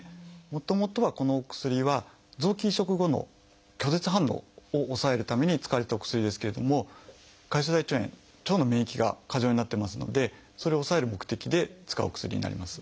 もともとはこのお薬は臓器移植後の拒絶反応を抑えるために使われてたお薬ですけれども潰瘍性大腸炎腸の免疫が過剰になってますのでそれを抑える目的で使うお薬になります。